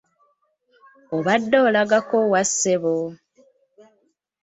Obadde olagako wa ssebo?